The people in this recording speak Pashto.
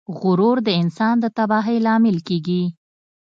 غرور د انسان د تباهۍ لامل کیږي.